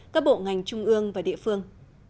các bộ ngành trung ương và địa phương